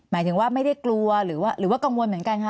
หมายถึงว่าไม่ได้กลัวหรือว่ากังวลเหมือนกันคะ